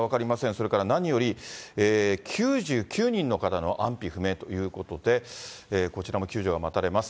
それから何より、９９人の方の安否不明ということで、こちらも救助が待たれます。